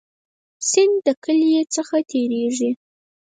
سیند د کلی څخه تیریږي